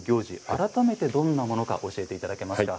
改めて、どんなものか教えていただけますか。